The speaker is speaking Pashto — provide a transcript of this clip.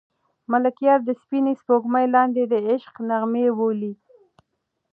ملکیار د سپینې سپوږمۍ لاندې د عشق نغمې بولي.